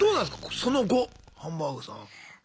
その後ハンバーグさん。